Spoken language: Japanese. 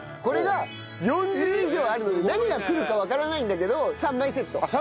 これが４０以上あるので何がくるかわからないんだけど３枚セット。